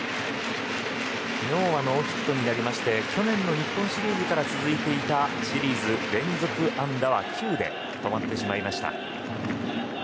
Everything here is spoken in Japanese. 昨日はノーヒットに終わりまして去年の日本シリーズから続いていたシリーズ連続安打は９で止まってしまいました。